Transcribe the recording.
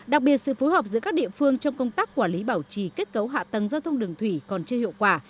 đặc biệt sự phối hợp giữa các địa phương trong công tác quản lý bảo trì kết cấu hạ tầng giao thông đường thủy còn chưa hiệu quả